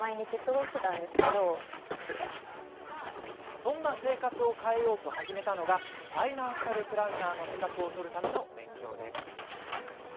そんな生活を変えようと始めたのがファイナンシャルプランナーの資格を取るための勉強です。